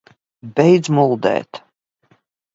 Beidz muldēt!